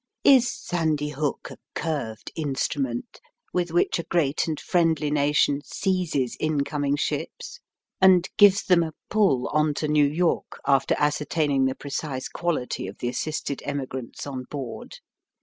Is Sandy Hook a curved instru ment with which a great and friendly nation seizes incoming ships and gives them a pull on to New York after ascertaining the precise quality of the assisted emigrants on board?